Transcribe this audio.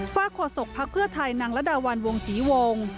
ฝ้าขวดศพพระเครื่องไทยนางละดาวันวงศรีวง